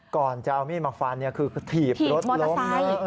ก่อนจะเอามีดมาฟันคือถีบรถล้ม